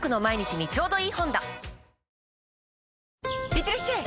いってらっしゃい！